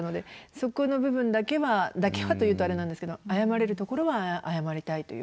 そこの部分だけはだけはと言うとあれなんですけど謝れるところは謝りたいというふうに思いましたね。